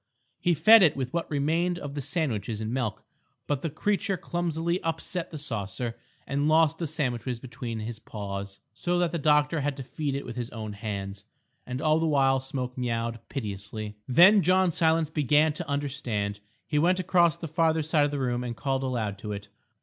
He fed it with what remained of the sandwiches and milk, but the creature clumsily upset the saucer and lost the sandwiches between its paws, so that the doctor had to feed it with his own hand. And all the while Smoke meowed piteously. Then John Silence began to understand. He went across to the farther side of the room and called aloud to it.